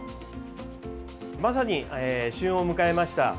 まさに旬を迎えました